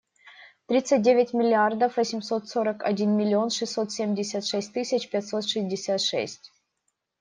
Тридцать девять миллиардов восемьсот сорок один миллион шестьсот семьдесят шесть тысяч пятьсот шестьдесят шесть.